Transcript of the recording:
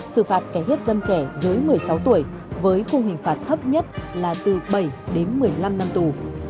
xử phạt kẻ hiếp dâm trẻ dưới một mươi sáu tuổi với khung hình phạt thấp nhất là từ bảy đến một mươi năm năm tù